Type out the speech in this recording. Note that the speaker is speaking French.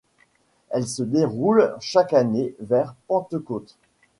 Elle se déroule chaque année vers Pentecôte.